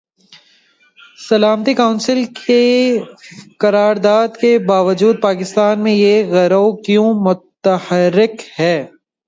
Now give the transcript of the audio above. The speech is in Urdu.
سلامتی کونسل کی قرارداد کے باجود پاکستان میں یہ گروہ کیوں متحرک ہیں؟